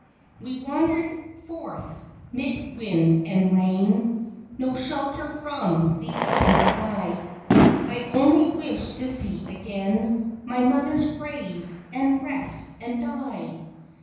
We wandered forth 'mid wind and rain ; No shelter from the open sky; I only wish to see again My mother's grave, and rest, and die.